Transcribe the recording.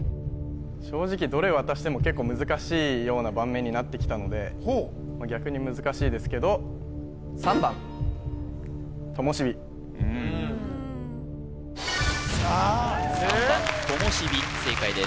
正直どれ渡しても結構難しいような場面になってきたので逆に難しいですけど３番ともしび正解です